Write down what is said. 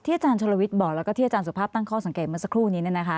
ที่อาจารย์ชลวิตบอกแล้วก็ที่อาจารย์สุภาพตั้งข้อสังเกตเหมือนสักครู่นี้เนี่ยนะคะ